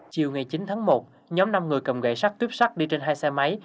chiều ngày chín tháng một nhóm năm người cầm gậy sắt tuyếp sắt đi trên hai xe máy